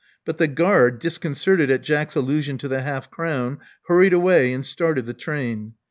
But the guard, disconcerted at Jack's allusion to the half crown, hurried away and started the train.